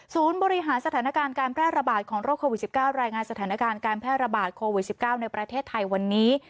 บริหารสถานการณ์การแพร่ระบาดของโรคโควิด๑๙รายงานสถานการณ์การแพร่ระบาดโควิด๑๙ในประเทศไทยวันนี้